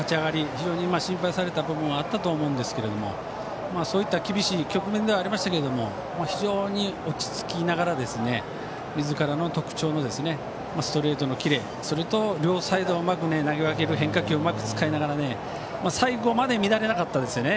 非常に心配された部分もあったと思いますがそういった厳しい局面ではありましたけども非常に落ち着きながらみずからの特徴のストレートのキレ両サイドの変化球をうまく使いながら最後まで乱れなかったですよね。